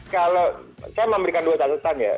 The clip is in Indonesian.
kalau saya memberikan dua catatan ya